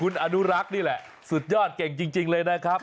คุณอนุรักษ์นี่แหละสุดยอดเก่งจริงเลยนะครับ